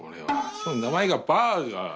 しかも名前がバーガー！